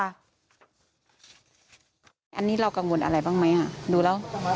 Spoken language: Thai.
อันนี้เรากังวลอะไรบ้างไหมดูแล้ว